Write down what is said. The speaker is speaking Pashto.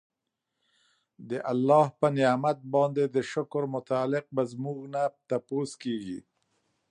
د الله په نعمت باندي د شکر متعلق به زمونږ نه تپوس کيږي